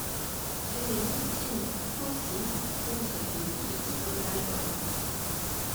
Jérémy signe ou co-signe onze des douze titres de l'album.